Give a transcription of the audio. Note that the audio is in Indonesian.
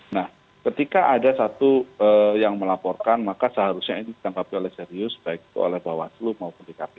nah ketika ada satu yang melaporkan maka seharusnya ini ditangkapi oleh serius baik itu oleh bawaslu maupun dkp